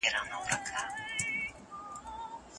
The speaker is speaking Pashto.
د ښځو لپاره زندان جوړ کړی دی